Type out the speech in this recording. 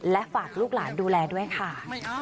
และฝากลูกหลานดูแลด้วยค่ะ